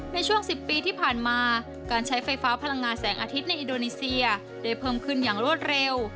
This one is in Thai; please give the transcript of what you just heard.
ในช่วง๑๐ปีที่ผ่านมาการใช้ไฟฟ้าพลังงานแสงอาทิตย์ในอินโดนีเซียได้เพิ่มขึ้นอย่างรวดเร็ว